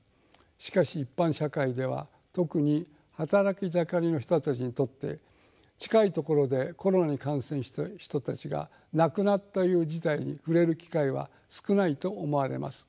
しかし一般社会では特に働き盛りの人たちにとって近いところでコロナに感染した人たちが亡くなったという事態に触れる機会は少ないと思われます。